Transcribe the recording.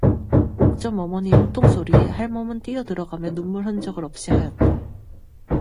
옥점 어머니의 호통소리에 할멈은 뛰어 들어가며 눈물 흔적을 없이 하였다.